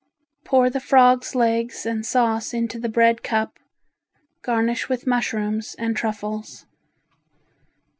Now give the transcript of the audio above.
Pour the frogs legs and sauce into the bread cup, garnish with mushrooms and truffles.